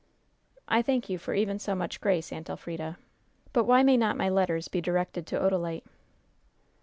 "I thank you for even so much grace, Aunt Elfrida; but why may not my letters be directed to Odalite?"